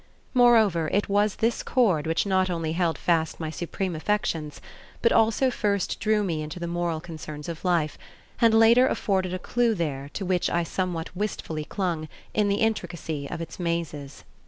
Moreover, it was this cord which not only held fast my supreme affections, but also first drew me into the moral concerns of life, and later afforded a clew there to which I somewhat wistfully clung in the intricacy of its mazes.